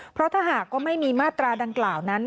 เพราะถ้าหากว่าไม่มีมาตราดังกล่าวนั้น